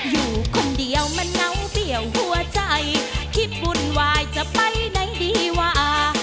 อยู่คนเดียวมันเงาเปี่ยวหัวใจคิดวุ่นวายจะไปไหนดีว่า